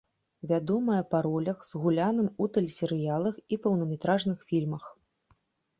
Вядомая па ролях, згуляным у тэлесерыялах і поўнаметражных фільмах.